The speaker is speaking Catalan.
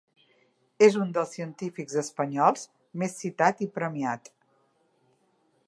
És un dels científics espanyols més citat i premiat.